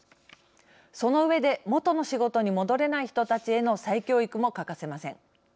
その上で元の仕事に戻れない人たちへの再教育も欠かせません。